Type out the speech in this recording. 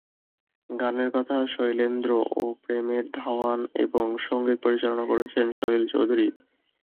গানের কথা "শৈলেন্দ্র" ও "প্রেম ধাওয়ান" এবং সংগীত পরিচালনা করেছেন সলিল চৌধুরী।